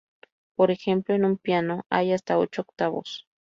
Por ejemplo, en un piano hay hasta ocho octavas.